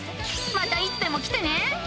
またいつでも来てね。